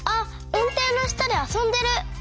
うんていのしたであそんでる！